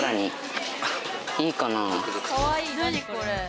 かわいい何これ。